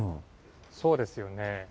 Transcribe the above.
そうですよね。